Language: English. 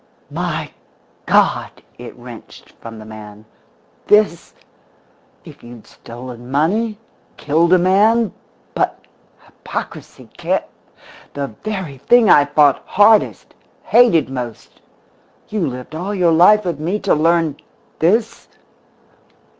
"My God!" it wrenched from the man. "This? If you'd stolen money killed a man but hypocrisy, cant the very thing I've fought hardest, hated most! You lived all your life with me to learn _this?